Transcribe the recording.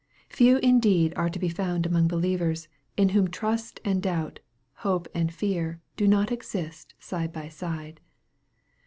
Few indeed are to be found among believers, in whom trust and doubt, hope and fear, do not exist side by side.